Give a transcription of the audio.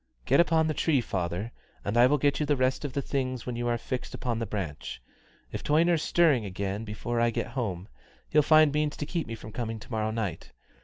"Get up on the tree, father, and I will give you the rest of the things when you are fixed on the branch. If Toyner's stirring again before I get home, he'll find means to keep me from coming to morrow night.